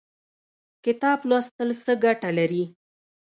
کتاب لوستل څه ګټه لري؟